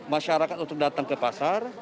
masyarakat untuk datang ke pasar